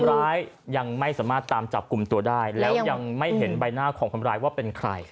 ยังไม่สามารถตามจับกลุ่มตัวได้แล้วยังไม่เห็นใบหน้าของคนร้ายว่าเป็นใคร